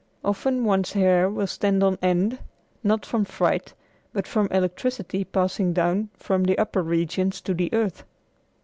Often one's hair will stand on end, not from fright, but from electricity passing down from the upper regions to the earth.